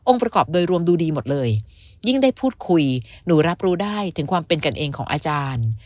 ประกอบโดยรวมดูดีหมดเลยยิ่งได้พูดคุยหนูรับรู้ได้ถึงความเป็นกันเองของอาจารย์